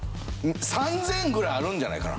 ３０００ぐらいあるんじゃないかな。